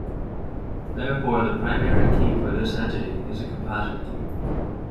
Therefore the primary key for this entity is a composite key.